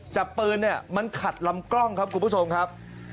แต่ปืนเนี่ยมันขัดลำกล้องครับคุณผู้ชมครับ